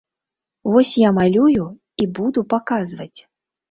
Вось я малюю і буду паказваць!